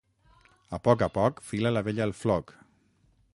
A poc a poc fila la vella el floc.